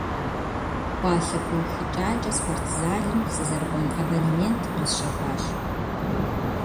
Пӏалъэ пыухыкӏакӏэ спортзалым сызэрыкӏуэн абонемент къэсщэхуащ.